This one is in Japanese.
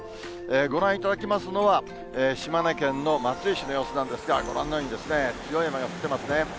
ご覧いただきますのは、島根県の松江市の様子なんですが、ご覧のように、ひどい雨降っていますね。